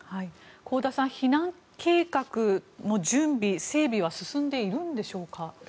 香田さん、避難計画の準備整備は進んでいるんでしょうか。